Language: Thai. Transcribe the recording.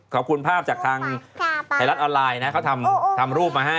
ขอบคุณภาพจากทางไทยรัฐออนไลน์นะเขาทำรูปมาให้